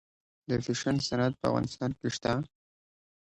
د فیشن صنعت په افغانستان کې شته؟